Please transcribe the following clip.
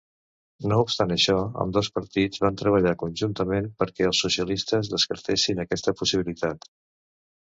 No obstant això, ambdós partits van treballar conjuntament perquè els socialistes descartessin aquesta possibilitat.